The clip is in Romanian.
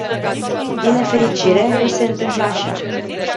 Din nefericire, nu se întâmplă așa.